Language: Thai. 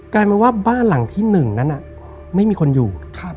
กลายเป็นว่าบ้านหลังที่๑นั้นไม่มีคนอยู่